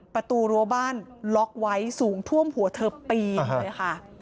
ประตูรั้วบ้านล็อกไว้สูงท่วมหัวเธอปีนเลยค่ะ